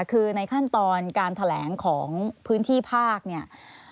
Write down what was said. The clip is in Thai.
คือในขั้นตอนการแถลงของพื้นที่ภาคเนี่ย